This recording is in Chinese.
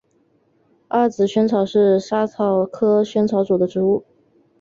二籽薹草是莎草科薹草属的植物。